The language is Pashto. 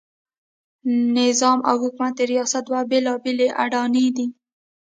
نظام او حکومت د ریاست دوه بېلابېلې اډانې دي.